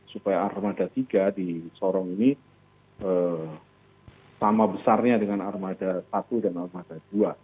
supaya armada tiga di sorong ini sama besarnya dengan armada satu dan armada dua